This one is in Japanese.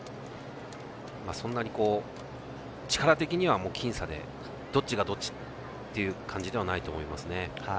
そんなに力的には僅差でどっちがどっちっていう感じではないと思いますね。